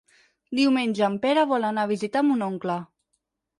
Diumenge en Pere vol anar a visitar mon oncle.